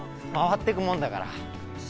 回ってくもんだから。